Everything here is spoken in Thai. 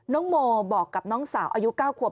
น้องโมบอกกับน้องสาวอายุ๙ขวบ